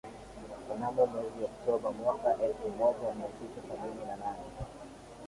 Mnamo mwezi Oktoba mwaka elfu moja mia tisa sabini na nane